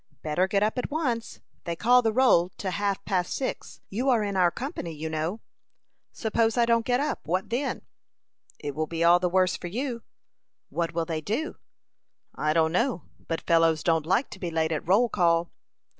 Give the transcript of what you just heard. "Better get up at once. They call the roll to half past six. You are in our company, you know." "Suppose I don't get up what then?" "It will be all the worse for you." "What will they do?" "I don't know; but fellows don't like to be late at roll call."